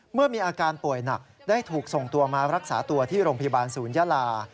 เมื่อมีอาการป่วยหนักได้ถูกส่งตัวมารักษาตัวที่โรงพยาบาลศูนยาลา